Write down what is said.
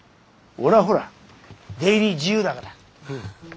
俺はほら出入り自由だから。